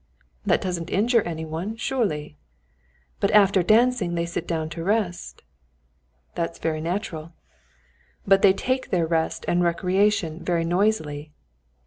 "That doesn't injure any one, surely?" "But after dancing they sit down to rest." "That is very natural." "But they take their rest and recreation very noisily."